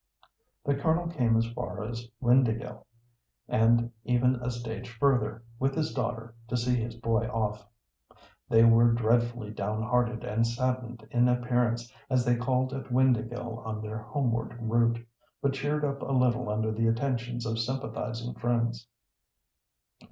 The Colonel came as far as Windāhgil, and even a stage further, with his daughter, to see his boy off. They were dreadfully downhearted and saddened in appearance as they called at Windāhgil on their homeward route, but cheered up a little under the attentions of sympathising friends.